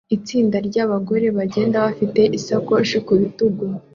Itsinda ryabagore bagenda bafite isakoshi ku bitugu